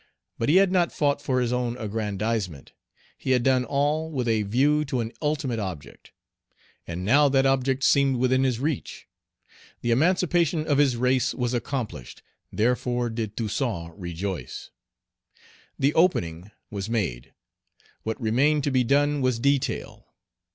But he had not fought for his own aggrandizement; he had done all with a view to an ultimate object. And now that object seemed within his reach. The emancipation of his race was accomplished, therefore did Toussaint rejoice. "The opening" was made; what remained to be done was detail.